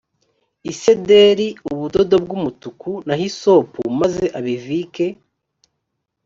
isederi ubudodo bw’umutuku na hisopu maze abivike